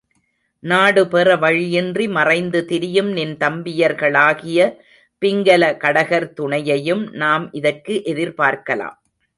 நாடுபெற வழியின்றி மறைந்து திரியும் நின் தம்பியர்களாகிய பிங்கல கடகர் துணையையும் நாம் இதற்கு எதிர்பார்க்கலாம்.